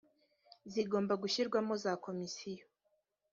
sigomba gushyirwamo za komisiyo.